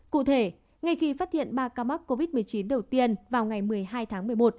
cụ thể ngay khi phát hiện ba ca mắc covid một mươi chín đầu tiên vào ngày một mươi hai tháng một mươi một